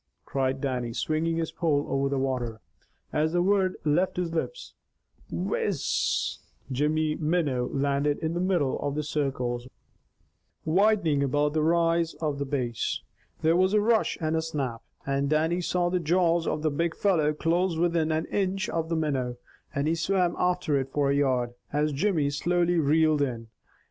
cried Dannie, swinging his pole over the water. As the word left his lips, "whizz," Jimmy's minnow landed in the middle of the circles widening about the rise of the Bass. There was a rush and a snap, and Dannie saw the jaws of the big fellow close within an inch of the minnow, and he swam after it for a yard, as Jimmy slowly reeled in.